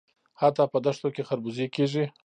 حتی په دښتو کې خربوزې کیږي.